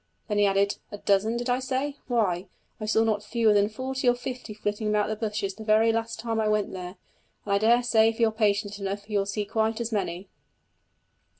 Then he added: "A dozen, did I say? Why, I saw not fewer than forty or fifty flitting about the bushes the very last time I went there, and I daresay if you are patient enough you will see quite as many."